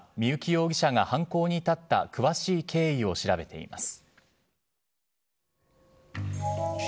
警視庁は、三幸容疑者が犯行に至った詳しい経緯を調べています。